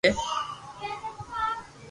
جائين گھري آوي جي